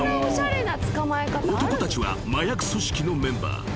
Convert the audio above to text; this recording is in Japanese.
［男たちは麻薬組織のメンバー］